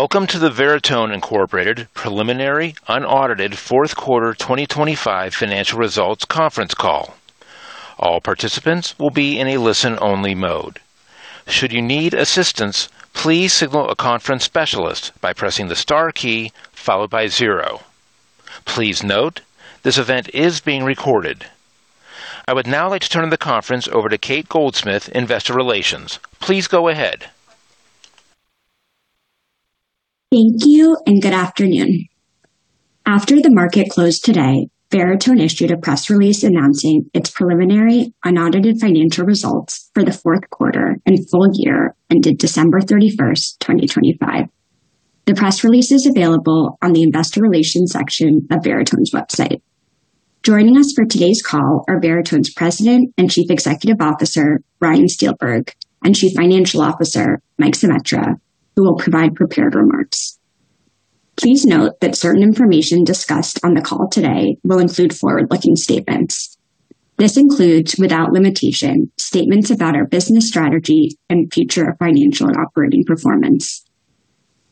Welcome to the Veritone, Inc. preliminary unaudited fourth quarter 2025 financial results conference call. All participants will be in a listen-only mode. Should you need assistance, please signal a conference specialist by pressing the star key followed by zero. Please note, this event is being recorded. I would now like to turn the conference over to Cate Goldsmith, Investor Relations. Please go ahead. Thank you, and good afternoon. After the market closed today, Veritone issued a press release announcing its preliminary unaudited financial results for the fourth quarter and full year ended December 31, 2025. The press release is available on the investor relations section of Veritone's website. Joining us for today's call are Veritone's President and Chief Executive Officer, Ryan Steelberg, and Chief Financial Officer, Mike Zemetra, who will provide prepared remarks. Please note that certain information discussed on the call today will include forward-looking statements. This includes, without limitation, statements about our business strategy and future financial and operating performance.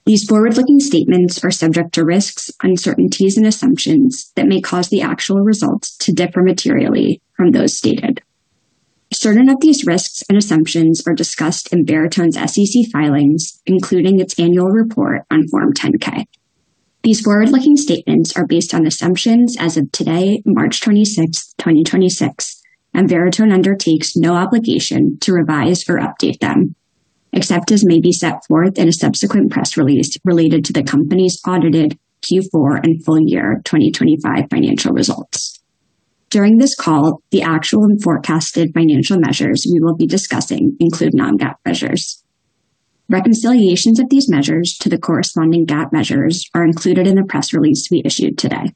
These forward-looking statements are subject to risks, uncertainties, and assumptions that may cause the actual results to differ materially from those stated. Certain of these risks and assumptions are discussed in Veritone's SEC filings, including its annual report on Form 10-K. These forward-looking statements are based on assumptions as of today, March 26, 2026, and Veritone undertakes no obligation to revise or update them, except as may be set forth in a subsequent press release related to the company's audited Q4 and full year 2025 financial results. During this call, the actual and forecasted financial measures we will be discussing include non-GAAP measures. Reconciliations of these measures to the corresponding GAAP measures are included in the press release we issued today.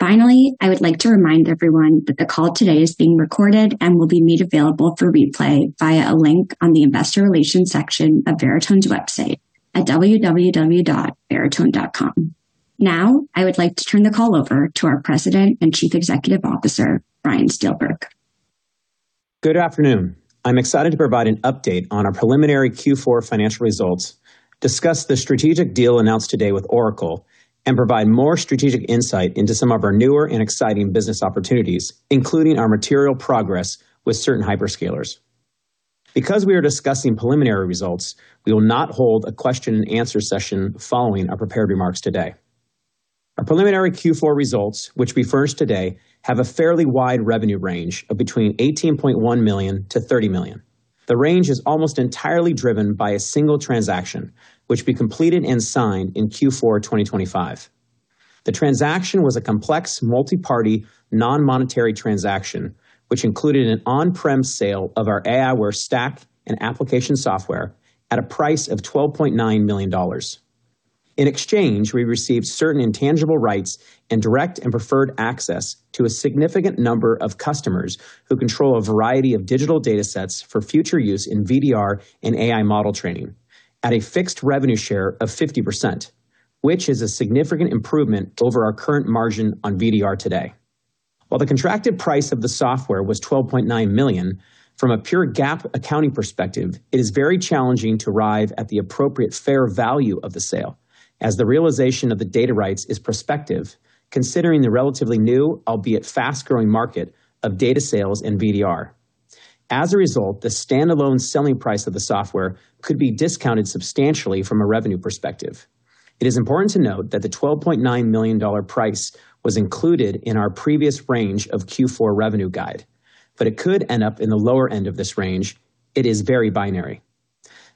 Finally, I would like to remind everyone that the call today is being recorded and will be made available for replay via a link on the investor relations section of Veritone's website at www.veritone.com. Now, I would like to turn the call over to our President and Chief Executive Officer, Ryan Steelberg. Good afternoon. I'm excited to provide an update on our preliminary Q4 financial results, discuss the strategic deal announced today with Oracle, and provide more strategic insight into some of our newer and exciting business opportunities, including our material progress with certain hyperscalers. Because we are discussing preliminary results, we will not hold a question and answer session following our prepared remarks today. Our preliminary Q4 results, which we furnished today, have a fairly wide revenue range of between $18.1 million-$30 million. The range is almost entirely driven by a single transaction, which we completed and signed in Q4 2025. The transaction was a complex, multi-party, non-monetary transaction, which included an on-prem sale of our aiWARE stack and application software at a price of $12.9 million. In exchange, we received certain intangible rights and direct and preferred access to a significant number of customers who control a variety of digital datasets for future use in VDR and AI model training at a fixed revenue share of 50%, which is a significant improvement over our current margin on VDR today. While the contracted price of the software was $12.9 million, from a pure GAAP accounting perspective, it is very challenging to arrive at the appropriate fair value of the sale as the realization of the data rights is prospective, considering the relatively new, albeit fast-growing market of data sales and VDR. As a result, the standalone selling price of the software could be discounted substantially from a revenue perspective. It is important to note that the $12.9 million price was included in our previous range of Q4 revenue guide, but it could end up in the lower end of this range. It is very binary.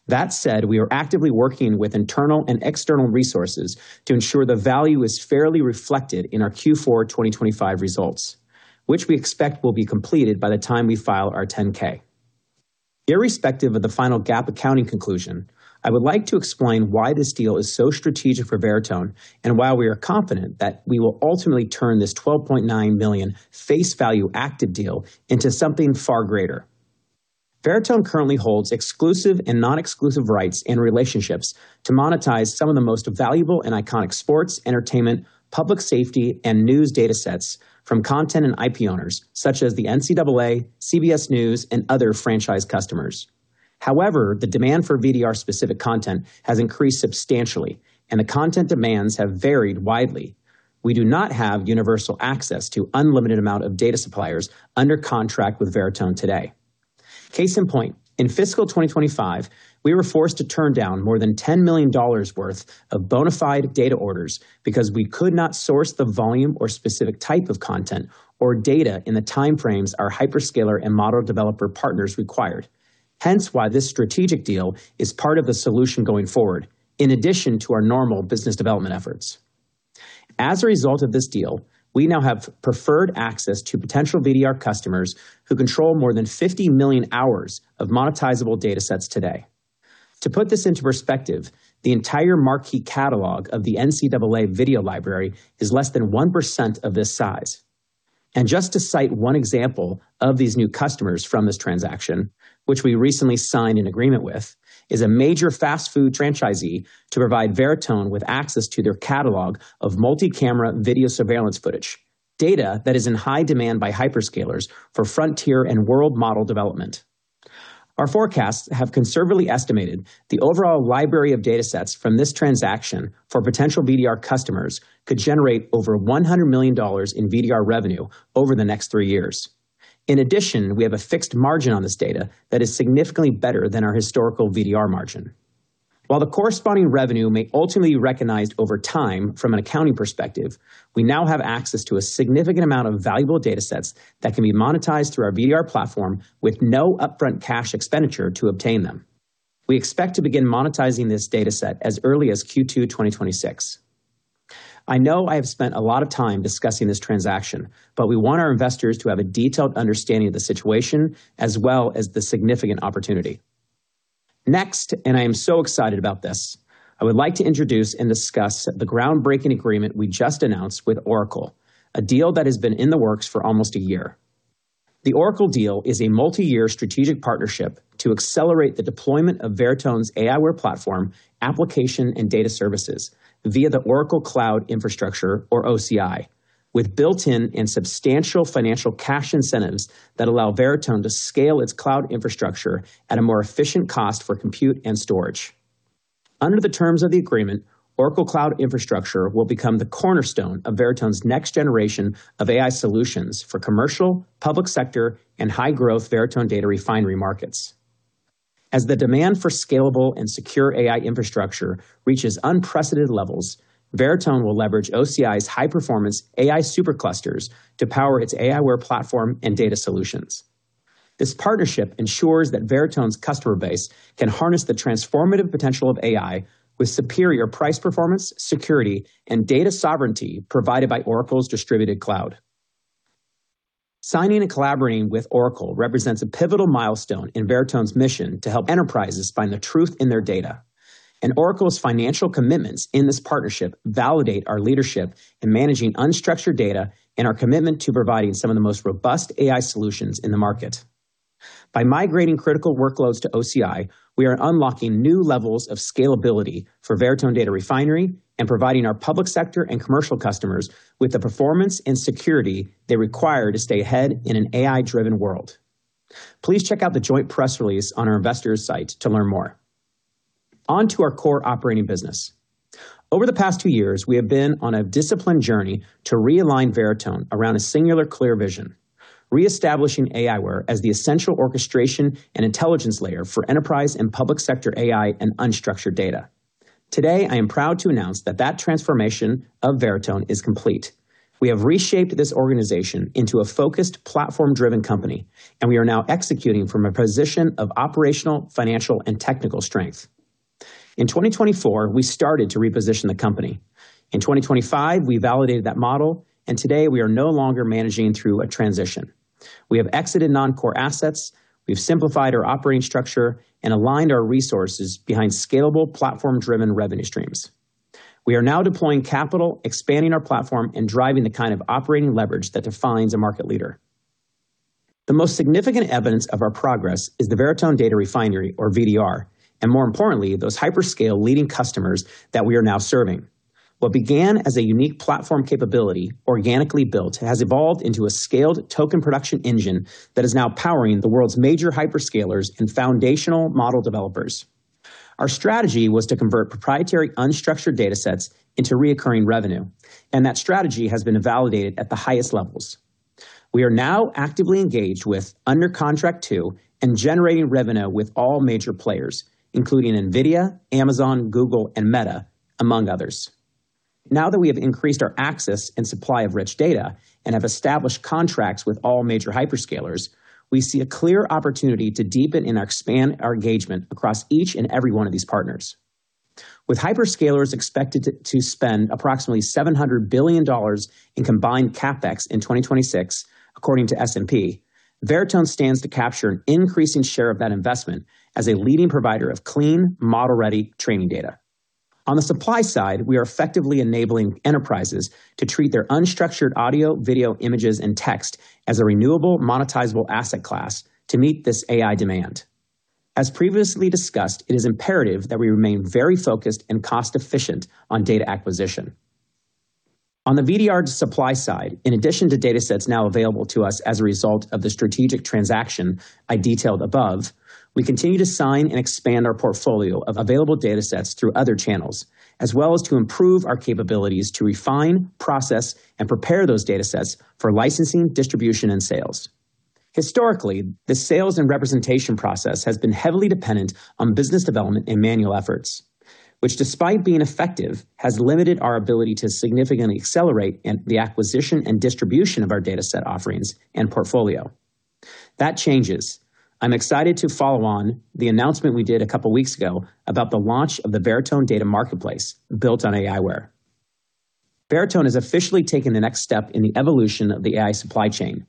That said, we are actively working with internal and external resources to ensure the value is fairly reflected in our Q4 2025 results, which we expect will be completed by the time we file our 10-K. Irrespective of the final GAAP accounting conclusion, I would like to explain why this deal is so strategic for Veritone, and why we are confident that we will ultimately turn this $12.9 million face value active deal into something far greater. Veritone currently holds exclusive and non-exclusive rights and relationships to monetize some of the most valuable and iconic sports, entertainment, public safety, and news datasets from content and IP owners such as the NCAA, CBS News, and other franchise customers. However, the demand for VDR-specific content has increased substantially, and the content demands have varied widely. We do not have universal access to unlimited amount of data suppliers under contract with Veritone today. Case in point, in fiscal 2025, we were forced to turn down more than $10 million worth of bona fide data orders because we could not source the volume or specific type of content or data in the time frames our hyperscaler and model developer partners required. Hence why this strategic deal is part of the solution going forward, in addition to our normal business development efforts. As a result of this deal, we now have preferred access to potential VDR customers who control more than 50 million hours of monetizable datasets today. To put this into perspective, the entire marquee catalog of the NCAA video library is less than 1% of this size. Just to cite one example of these new customers from this transaction, which we recently signed an agreement with, is a major fast food franchisee to provide Veritone with access to their catalog of multi-camera video surveillance footage, data that is in high demand by hyperscalers for frontier and world model development. Our forecasts have conservatively estimated the overall library of datasets from this transaction for potential VDR customers could generate over $100 million in VDR revenue over the next three years. In addition, we have a fixed margin on this data that is significantly better than our historical VDR margin. While the corresponding revenue may ultimately be recognized over time from an accounting perspective, we now have access to a significant amount of valuable datasets that can be monetized through our VDR platform with no upfront cash expenditure to obtain them. We expect to begin monetizing this dataset as early as Q2 2026. I know I have spent a lot of time discussing this transaction, but we want our investors to have a detailed understanding of the situation as well as the significant opportunity. Next, I am so excited about this. I would like to introduce and discuss the groundbreaking agreement we just announced with Oracle, a deal that has been in the works for almost a year. The Oracle deal is a multi-year strategic partnership to accelerate the deployment of Veritone's aiWARE platform, application, and data services via the Oracle Cloud Infrastructure, or OCI, with built-in and substantial financial cash incentives that allow Veritone to scale its cloud infrastructure at a more efficient cost for compute and storage. Under the terms of the agreement, Oracle Cloud Infrastructure will become the cornerstone of Veritone's next generation of AI solutions for commercial, public sector, and high-growth Veritone Data Refinery markets. As the demand for scalable and secure AI infrastructure reaches unprecedented levels, Veritone will leverage OCI's high-performance AI superclusters to power its aiWARE platform and data solutions. This partnership ensures that Veritone's customer base can harness the transformative potential of AI with superior price performance, security, and data sovereignty provided by Oracle's distributed cloud. Signing and collaborating with Oracle represents a pivotal milestone in Veritone's mission to help enterprises find the truth in their data. Oracle's financial commitments in this partnership validate our leadership in managing unstructured data and our commitment to providing some of the most robust AI solutions in the market. By migrating critical workloads to OCI, we are unlocking new levels of scalability for Veritone Data Refinery and providing our public sector and commercial customers with the performance and security they require to stay ahead in an AI-driven world. Please check out the joint press release on our investor's site to learn more. On to our core operating business. Over the past two years, we have been on a disciplined journey to realign Veritone around a singular clear vision, reestablishing aiWARE as the essential orchestration and intelligence layer for enterprise and public sector AI and unstructured data. Today, I am proud to announce that transformation of Veritone is complete. We have reshaped this organization into a focused, platform-driven company, and we are now executing from a position of operational, financial, and technical strength. In 2024, we started to reposition the company. In 2025, we validated that model, and today we are no longer managing through a transition. We have exited non-core assets, we've simplified our operating structure, and aligned our resources behind scalable, platform-driven revenue streams. We are now deploying capital, expanding our platform, and driving the kind of operating leverage that defines a market leader. The most significant evidence of our progress is the Veritone Data Refinery, or VDR, and more importantly, those hyperscale leading customers that we are now serving. What began as a unique platform capability organically built has evolved into a scaled token production engine that is now powering the world's major hyperscalers and foundational model developers. Our strategy was to convert proprietary unstructured datasets into recurring revenue, and that strategy has been validated at the highest levels. We are now actively engaged with, under contract, too, and generating revenue with all major players, including Nvidia, Amazon, Google, and Meta, among others. Now that we have increased our access and supply of rich data and have established contracts with all major hyperscalers, we see a clear opportunity to deepen and expand our engagement across each and every one of these partners. With hyperscalers expected to spend approximately $700 billion in combined CapEx in 2026, according to S&P, Veritone stands to capture an increasing share of that investment as a leading provider of clean, model-ready training data. On the supply side, we are effectively enabling enterprises to treat their unstructured audio, video, images, and text as a renewable monetizable asset class to meet this AI demand. As previously discussed, it is imperative that we remain very focused and cost-efficient on data acquisition. On the VDR supply side, in addition to datasets now available to us as a result of the strategic transaction I detailed above, we continue to sign and expand our portfolio of available datasets through other channels, as well as to improve our capabilities to refine, process, and prepare those datasets for licensing, distribution, and sales. Historically, the sales and representation process has been heavily dependent on business development and manual efforts, which despite being effective, has limited our ability to significantly accelerate in the acquisition and distribution of our dataset offerings and portfolio. That changes. I'm excited to follow on the announcement we did a couple weeks ago about the launch of the Veritone Data Marketplace built on aiWARE. Veritone has officially taken the next step in the evolution of the AI supply chain.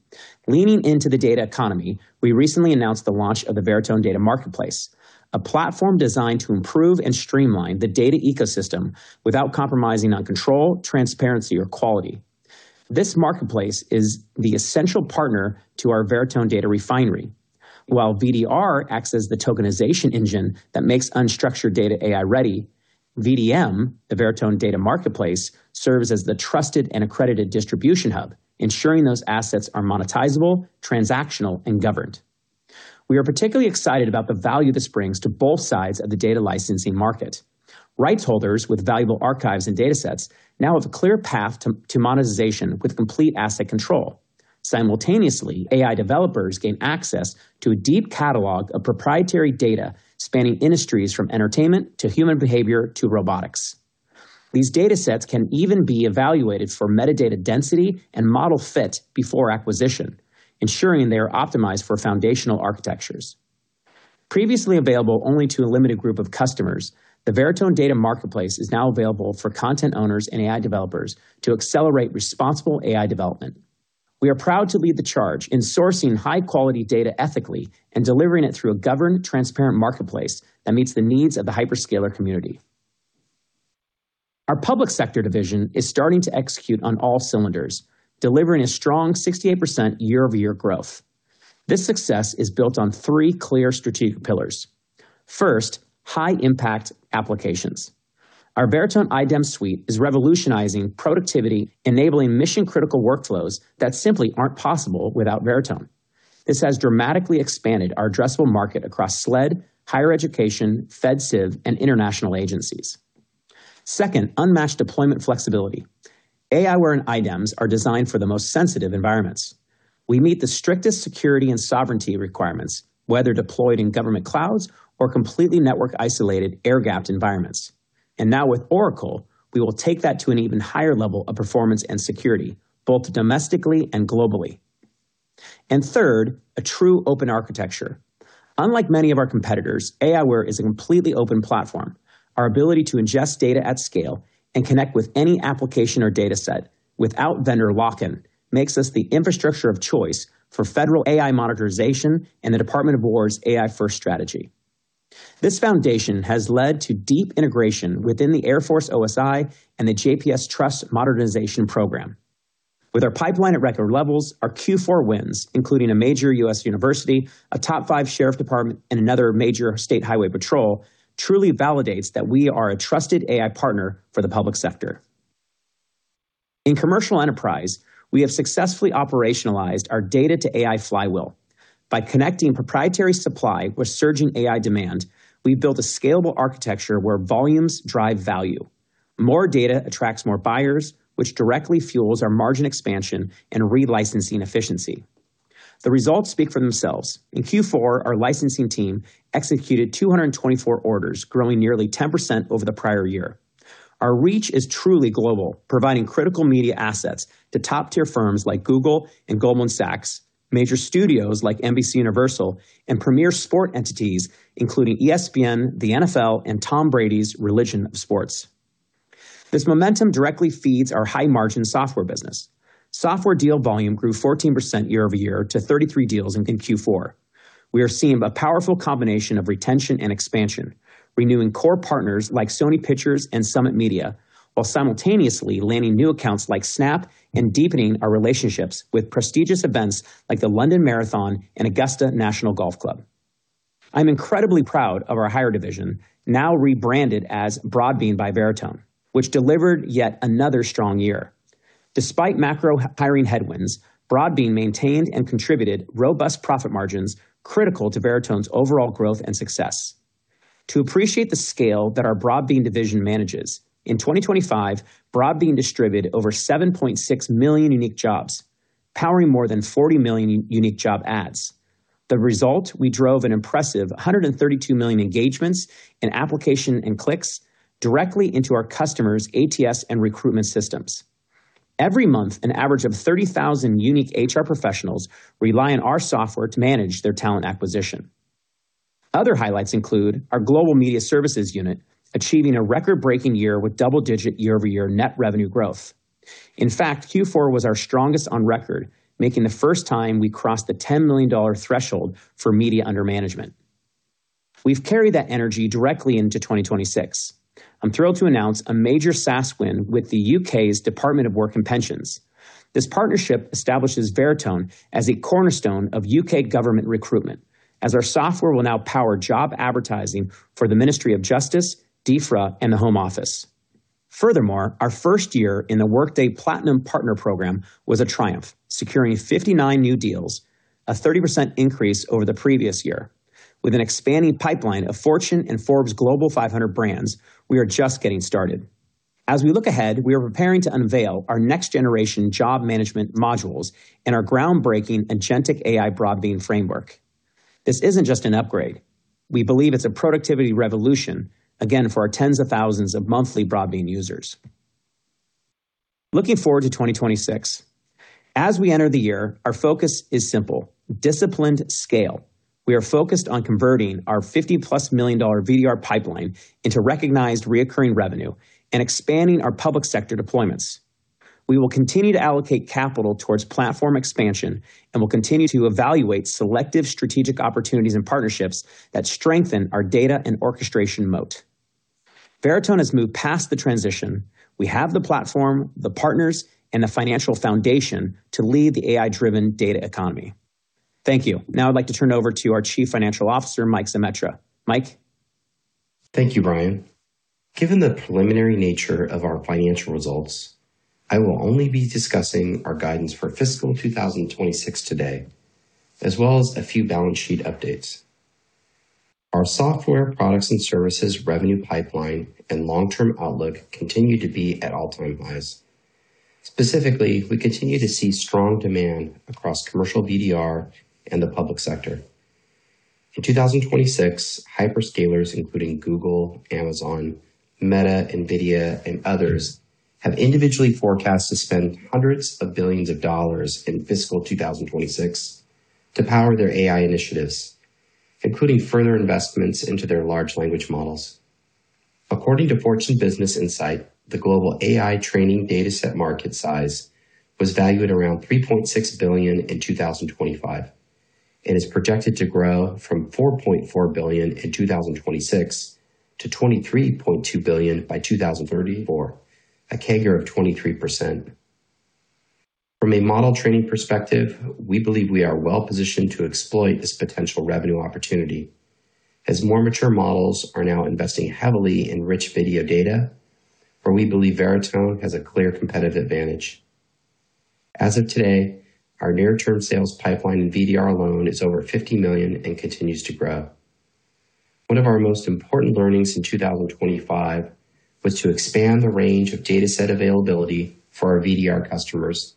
Leaning into the data economy, we recently announced the launch of the Veritone Data Marketplace, a platform designed to improve and streamline the data ecosystem without compromising on control, transparency, or quality. This marketplace is the essential partner to our Veritone Data Refinery. While VDR acts as the tokenization engine that makes unstructured data AI-ready. VDM, the Veritone Data Marketplace, serves as the trusted and accredited distribution hub, ensuring those assets are monetizable, transactional, and governed. We are particularly excited about the value this brings to both sides of the data licensing market. Rights holders with valuable archives and datasets now have a clear path to monetization with complete asset control. Simultaneously, AI developers gain access to a deep catalog of proprietary data spanning industries from entertainment to human behavior to robotics. These datasets can even be evaluated for metadata density and model fit before acquisition, ensuring they are optimized for foundational architectures. Previously available only to a limited group of customers, the Veritone Data Marketplace is now available for content owners and AI developers to accelerate responsible AI development. We are proud to lead the charge in sourcing high-quality data ethically and delivering it through a governed, transparent marketplace that meets the needs of the hyperscaler community. Our public sector division is starting to execute on all cylinders, delivering a strong 68% year-over-year growth. This success is built on three clear strategic pillars. First, high-impact applications. Our Veritone iDEMS suite is revolutionizing productivity, enabling mission-critical workflows that simply aren't possible without Veritone. This has dramatically expanded our addressable market across SLED, higher education, FedCiv, and international agencies. Second, unmatched deployment flexibility. aiWARE and iDEMS are designed for the most sensitive environments. We meet the strictest security and sovereignty requirements, whether deployed in government clouds or completely network-isolated air-gapped environments. Now with Oracle, we will take that to an even higher level of performance and security, both domestically and globally. Third, a true open architecture. Unlike many of our competitors, aiWARE is a completely open platform. Our ability to ingest data at scale and connect with any application or dataset without vendor lock-in makes us the infrastructure of choice for federal AI monetization and the Department of Defense's AI First strategy. This foundation has led to deep integration within the Air Force OSI and the JPATS Trust Modernization Program. With our pipeline at record levels, our Q4 wins, including a major U.S. university, a top-five sheriff department, and another major state highway patrol, truly validates that we are a trusted AI partner for the public sector. In commercial enterprise, we have successfully operationalized our data-to-AI flywheel. By connecting proprietary supply with surging AI demand, we built a scalable architecture where volumes drive value. More data attracts more buyers, which directly fuels our margin expansion and relicensing efficiency. The results speak for themselves. In Q4, our licensing team executed 224 orders, growing nearly 10% over the prior year. Our reach is truly global, providing critical media assets to top-tier firms like Google and Goldman Sachs, major studios like NBCUniversal, and premier sport entities including ESPN, the NFL, and Tom Brady's Religion of Sports. This momentum directly feeds our high-margin software business. Software deal volume grew 14% year-over-year to 33 deals in Q4. We are seeing a powerful combination of retention and expansion, renewing core partners like Sony Pictures and Summit Media, while simultaneously landing new accounts like Snap and deepening our relationships with prestigious events like the London Marathon and Augusta National Golf Club. I'm incredibly proud of our hire division, now rebranded as Broadbean by Veritone, which delivered yet another strong year. Despite macro hiring headwinds, Broadbean maintained and contributed robust profit margins critical to Veritone's overall growth and success. To appreciate the scale that our Broadbean division manages, in 2025, Broadbean distributed over 7.6 million unique jobs, powering more than 40 million unique job ads. The result, we drove an impressive 132 million engagements in application and clicks directly into our customers' ATS and recruitment systems. Every month, an average of 30,000 unique HR professionals rely on our software to manage their talent acquisition. Other highlights include our global media services unit achieving a record-breaking year with double-digit year-over-year net revenue growth. In fact, Q4 was our strongest on record, marking the first time we crossed the $10 million threshold for media under management. We've carried that energy directly into 2026. I'm thrilled to announce a major SaaS win with the U.K.'s Department for Work and Pensions. This partnership establishes Veritone as a cornerstone of U.K. government recruitment, as our software will now power job advertising for the Ministry of Justice, Defra, and the Home Office. Furthermore, our first year in the Workday Platinum Partner Program was a triumph, securing 59 new deals, a 30% increase over the previous year. With an expanding pipeline of Fortune and Forbes Global 500 brands, we are just getting started. As we look ahead, we are preparing to unveil our next-generation job management modules and our groundbreaking agentic AI Broadbean framework. This isn't just an upgrade. We believe it's a productivity revolution, again, for our tens of thousands of monthly Broadbean users. Looking forward to 2026. As we enter the year, our focus is simple, disciplined scale. We are focused on converting our $50+ million VDR pipeline into recognized recurring revenue and expanding our public sector deployments. We will continue to allocate capital towards platform expansion and will continue to evaluate selective strategic opportunities and partnerships that strengthen our data and orchestration moat. Veritone has moved past the transition. We have the platform, the partners, and the financial foundation to lead the AI-driven data economy. Thank you. Now I'd like to turn over to our Chief Financial Officer, Mike Zemetra. Mike. Thank you, Ryan. Given the preliminary nature of our financial results, I will only be discussing our guidance for fiscal 2026 today, as well as a few balance sheet updates. Our software, products and services revenue pipeline and long-term outlook continue to be at all-time highs. Specifically, we continue to see strong demand across commercial VDR and the public sector. In 2026, hyperscalers, including Google, Amazon, Meta, Nvidia, and others, have individually forecast to spend hundreds of billions in fiscal 2026 to power their AI initiatives, including further investments into their large language models. According to Fortune Business Insights, the global AI training dataset market size was valued at around $3.6 billion in 2025, and is projected to grow from $4.4 billion in 2026 to $23.2 billion by 2034, a CAGR of 23%. From a model training perspective, we believe we are well positioned to exploit this potential revenue opportunity as more mature models are now investing heavily in rich video data, where we believe Veritone has a clear competitive advantage. As of today, our near-term sales pipeline in VDR alone is over $50 million and continues to grow. One of our most important learnings in 2025 was to expand the range of dataset availability for our VDR customers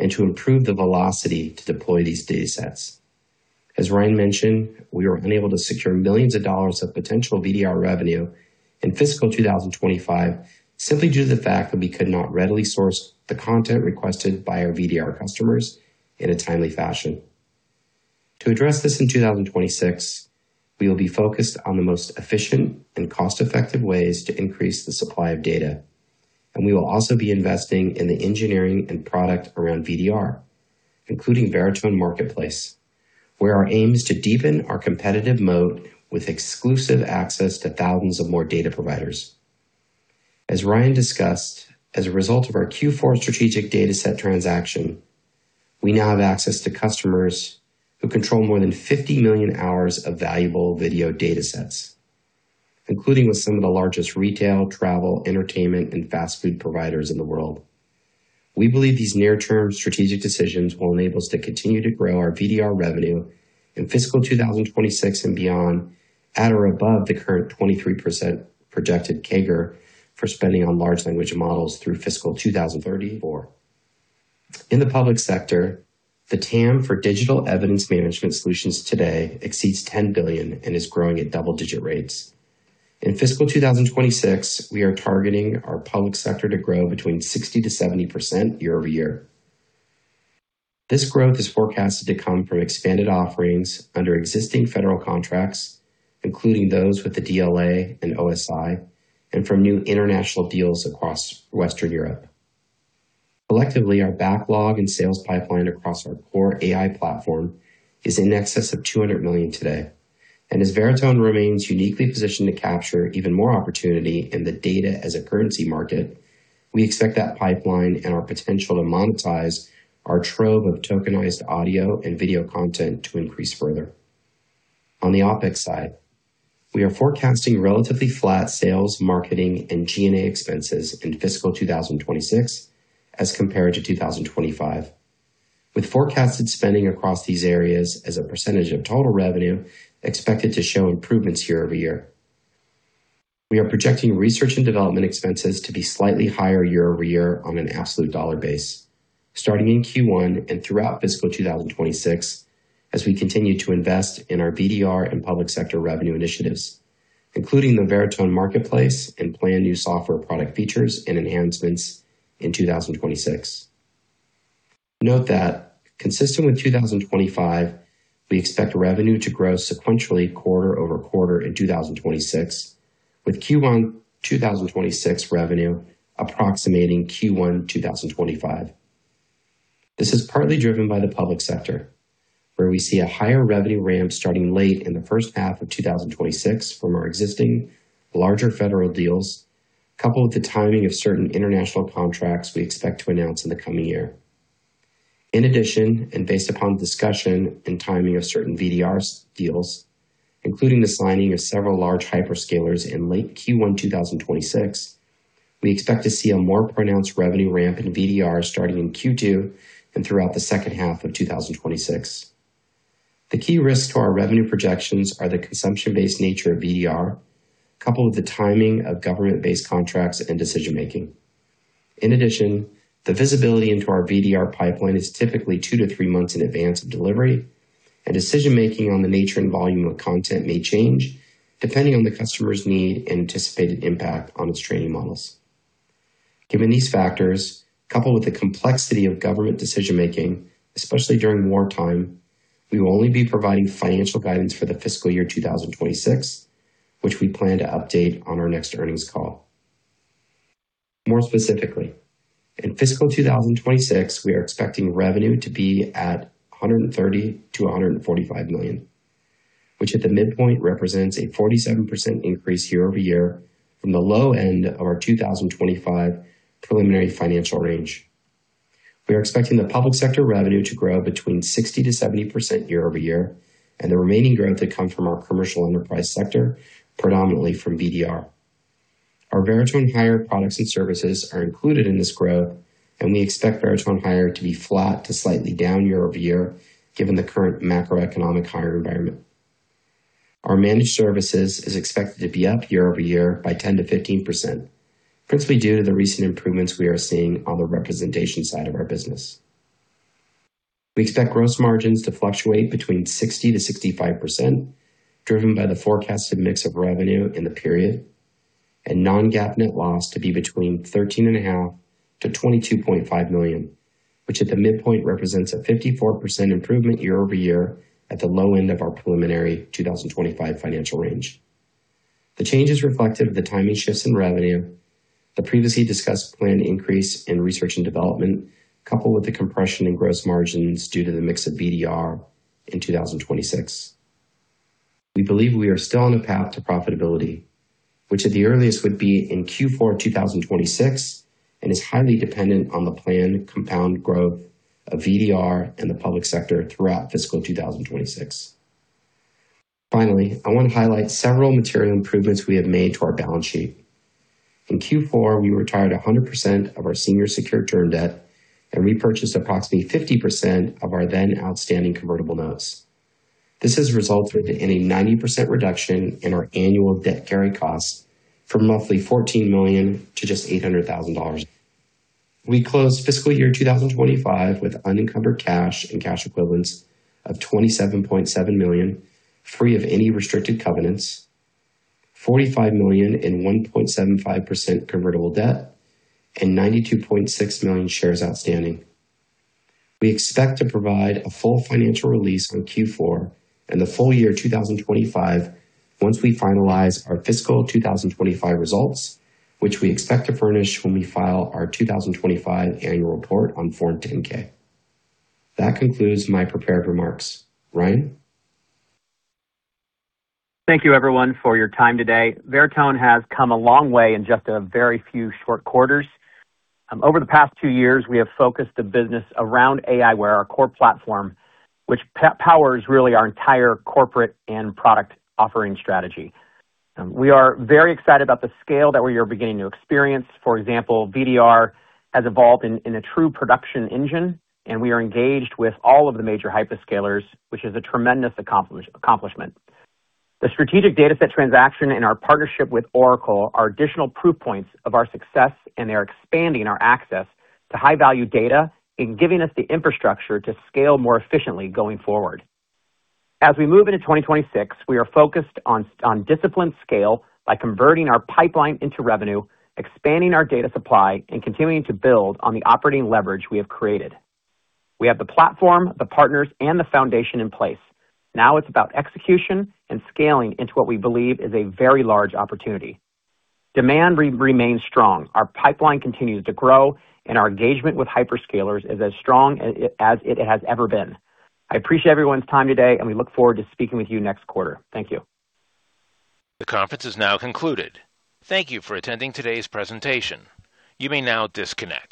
and to improve the velocity to deploy these datasets. As Ryan mentioned, we were unable to secure millions of dollars potential VDR revenue in fiscal 2025 simply due to the fact that we could not readily source the content requested by our VDR customers in a timely fashion. To address this in 2026, we will be focused on the most efficient and cost-effective ways to increase the supply of data, and we will also be investing in the engineering and product around VDR, including Veritone Marketplace, where our aim is to deepen our competitive moat with exclusive access to thousands of more data providers. As Ryan discussed, as a result of our Q4 strategic dataset transaction, we now have access to customers who control more than 50 million hours of valuable video datasets, including with some of the largest retail, travel, entertainment, and fast food providers in the world. We believe these near-term strategic decisions will enable us to continue to grow our VDR revenue in fiscal 2026 and beyond at or above the current 23% projected CAGR for spending on large language models through fiscal 2034. In the public sector, the TAM for digital evidence management solutions today exceeds $10 billion and is growing at double-digit rates. In fiscal 2026, we are targeting our public sector to grow between 60%-70% year over year. This growth is forecasted to come from expanded offerings under existing federal contracts, including those with the DLA and OSI, and from new international deals across Western Europe. Collectively, our backlog and sales pipeline across our core AI platform is in excess of $200 million today. Veritone remains uniquely positioned to capture even more opportunity in the data as a currency market. We expect that pipeline and our potential to monetize our trove of tokenized audio and video content to increase further. On the OpEx side, we are forecasting relatively flat sales, marketing and G&A expenses in fiscal 2026 as compared to 2025, with forecasted spending across these areas as a percentage of total revenue expected to show improvements year-over-year. We are projecting research and development expenses to be slightly higher year-over-year on an absolute dollar base starting in Q1 and throughout fiscal 2026 as we continue to invest in our VDR and public sector revenue initiatives, including the Veritone Marketplace and planned new software product features and enhancements in 2026. Note that consistent with 2025, we expect revenue to grow sequentially quarter-over-quarter in 2026, with Q1 2026 revenue approximating Q1 2025. This is partly driven by the public sector, where we see a higher revenue ramp starting late in the first half of 2026 from our existing larger federal deals, coupled with the timing of certain international contracts we expect to announce in the coming year. In addition, and based upon discussion and timing of certain VDR deals, including the signing of several large hyperscalers in late Q1 2026, we expect to see a more pronounced revenue ramp in VDR starting in Q2 and throughout the second half of 2026. The key risks to our revenue projections are the consumption-based nature of VDR, coupled with the timing of government-based contracts and decision-making. In addition, the visibility into our VDR pipeline is typically two-three months in advance of delivery, and decision-making on the nature and volume of content may change depending on the customer's need and anticipated impact on its training models. Given these factors, coupled with the complexity of government decision-making, especially during wartime, we will only be providing financial guidance for the fiscal year 2026, which we plan to update on our next earnings call. More specifically, in fiscal 2026, we are expecting revenue to be $130 million-$145 million, which at the midpoint represents a 47% increase year-over-year from the low end of our 2025 preliminary financial range. We are expecting the public sector revenue to grow between 60%-70% year-over-year, and the remaining growth to come from our commercial enterprise sector, predominantly from VDR. Our Veritone Hire products and services are included in this growth, and we expect Veritone Hire to be flat to slightly down year-over-year, given the current macroeconomic hiring environment. Our managed services is expected to be up year-over-year by 10%-15%, principally due to the recent improvements we are seeing on the representation side of our business. We expect gross margins to fluctuate between 60%-65%, driven by the forecasted mix of revenue in the period, and non-GAAP net loss to be between $13.5 million-$22.5 million, which at the midpoint represents a 54% improvement year-over-year at the low end of our preliminary 2025 financial range. The change is reflective of the timing shifts in revenue, the previously discussed planned increase in research and development, coupled with the compression in gross margins due to the mix of VDR in 2026. We believe we are still on the path to profitability, which at the earliest would be in Q4 2026 and is highly dependent on the planned compound growth of VDR in the public sector throughout fiscal 2026. Finally, I want to highlight several material improvements we have made to our balance sheet. In Q4, we retired 100% of our senior secured term debt and repurchased approximately 50% of our then outstanding convertible notes. This has resulted in a 90% reduction in our annual debt carry costs from roughly $14 million to just $800,000. We closed fiscal year 2025 with unencumbered cash and cash equivalents of $27.7 million free of any restricted covenants, $45 million in 1.75% convertible debt, and 92.6 million shares outstanding. We expect to provide a full financial release on Q4 and the full year 2025 once we finalize our fiscal 2025 results, which we expect to furnish when we file our 2025 annual report on Form 10-K. That concludes my prepared remarks. Ryan? Thank you everyone for your time today. Veritone has come a long way in just a very few short quarters. Over the past two years, we have focused the business around AI, where our core platform, which powers really our entire corporate and product offering strategy. We are very excited about the scale that we are beginning to experience. For example, VDR has evolved in a true production engine, and we are engaged with all of the major hyperscalers, which is a tremendous accomplishment. The strategic data set transaction and our partnership with Oracle are additional proof points of our success, and they are expanding our access to high-value data and giving us the infrastructure to scale more efficiently going forward. As we move into 2026, we are focused on disciplined scale by converting our pipeline into revenue, expanding our data supply, and continuing to build on the operating leverage we have created. We have the platform, the partners, and the foundation in place. Now it's about execution and scaling into what we believe is a very large opportunity. Demand remains strong. Our pipeline continues to grow and our engagement with hyperscalers is as strong as it has ever been. I appreciate everyone's time today, and we look forward to speaking with you next quarter. Thank you. The conference is now concluded. Thank you for attending today's presentation. You may now disconnect.